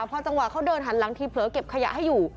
พอจังหวะเขาเดินหันหลังทีเผลอเก็บขยะให้อยู่